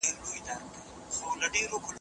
که علما خبري ونه کړي، خلګ به پوه نه سي.